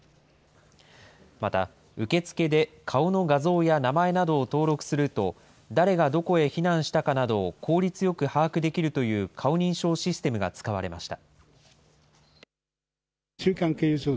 また、受付で顔の画像や名前などを登録すると、誰がどこへ避難したかなどを効率よく把握できるという顔認証システムが使われました。